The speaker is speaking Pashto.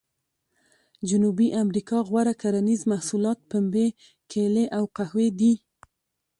جنوبي امریکا غوره کرنیز محصولات پنبې، کېلې او قهوې دي.